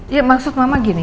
ya maksud mama gini